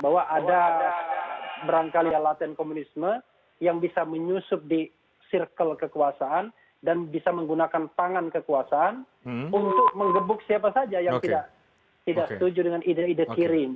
bahwa ada berangkali alat dan komunisme yang bisa menyusup di circle kekuasaan dan bisa menggunakan pangan kekuasaan untuk mengebuk siapa saja yang tidak setuju dengan ide ide kirim